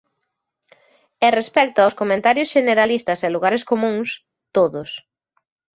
E respecto aos comentarios xeneralistas e lugares comúns, todos.